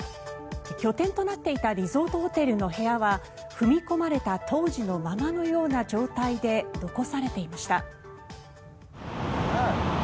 拠点となっていたリゾートホテルの部屋は踏み込まれた当時のままのような状態で残されていました。